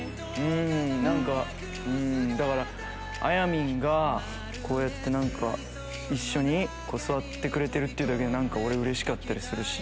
何かあやみんがこうやって一緒に座ってくれてるっていうだけで俺うれしかったりするし。